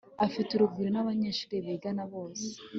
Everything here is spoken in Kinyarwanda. afite urugwiro nabanyeshuri bigana bose